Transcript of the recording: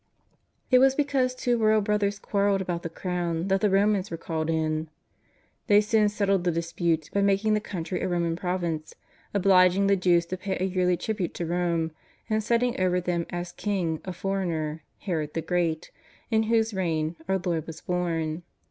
It was because two royal brothers quarrelled about the crown that the Ro mans were called in. They soon settled the dispute by making the country a Roman province, obliging the Jews to pay a yearly tribute to Rome, and setting over them as king a foreigner, Herod the Great, in whose reign our Lord was born.